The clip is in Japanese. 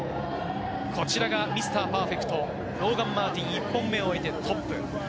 こちらがミスターパーフェクト、ローガン・マーティン１本目を終えてトップ。